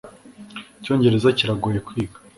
icyongereza kiragoye kwiga